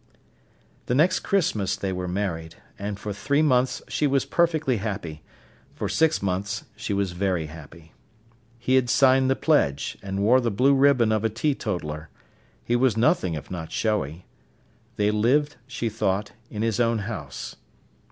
The next Christmas they were married, and for three months she was perfectly happy: for six months she was very happy. He had signed the pledge, and wore the blue ribbon of a tee totaller: he was nothing if not showy. They lived, she thought, in his own house.